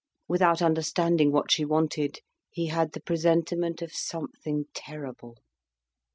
Without understanding what she wanted, he had the presentiment of something terrible.